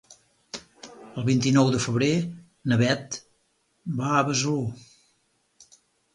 El vint-i-nou de febrer na Beth va a Besalú.